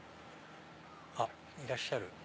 あっいらっしゃる。